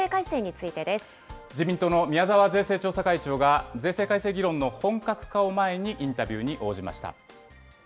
自民党の宮沢税制調査会長が、税制改正議論の本格化を前に、インタビューに応じました。